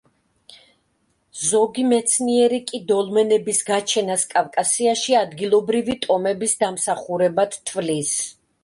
ზოგი მეცნიერი კი დოლმენების გაჩენას კავკასიაში ადგილობრივი ტომების დამსახურებად თვლის.